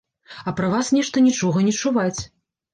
А пра вас нешта нічога не чуваць.